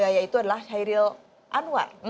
yaitu adalah hairil anwar